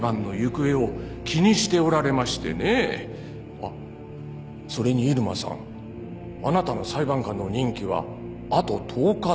あっそれに入間さんあなたの裁判官の任期はあと１０日だ。